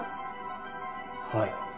はい。